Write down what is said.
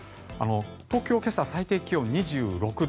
東京は今朝、最低気温２６度。